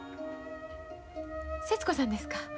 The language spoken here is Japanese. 節子さんですか。